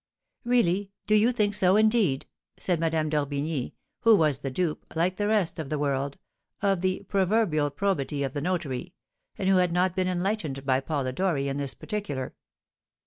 "Really, do you think so, indeed?" said Madame d'Orbigny, who was the dupe, like the rest of the world, of the proverbial probity of the notary, and who had not been enlightened by Polidori in this particular.